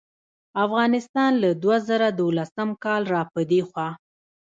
افغانستان له دوه زره دولسم کال راپه دې خوا